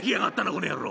この野郎。